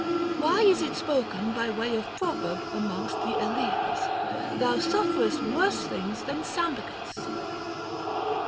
Why is it spoken by way of proverb amongst the Eleans, " Thou sufferest worse things than Sambicus